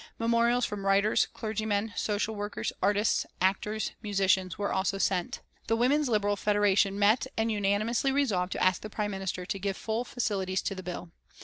Memorials from writers, clergymen, social workers, artists, actors, musicians, were also sent. The Women's Liberal Federation met and unanimously resolved to ask the Prime Minister to give full facilities to the bill.